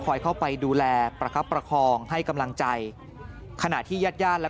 เข้าไปดูแลประคับประคองให้กำลังใจขณะที่ญาติญาติและ